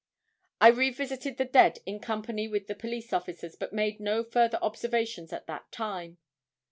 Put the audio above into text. I visited the dead in company with the police officers, but made no further observations at that time.